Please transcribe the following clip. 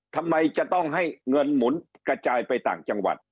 ทำไมจะต้องให้เงินหมุนกระจายไปต่างจังหวัด